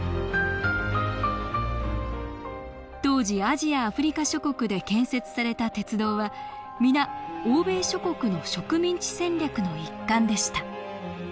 当時アジアアフリカ諸国で建設された鉄道は皆欧米諸国の植民地戦略の一環でした